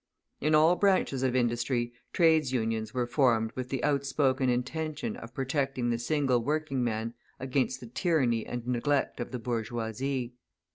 In all branches of industry Trades Unions were formed with the outspoken intention of protecting the single working man against the tyranny and neglect of the bourgeoisie.